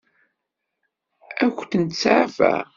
Ad kent-seɛfeɣ?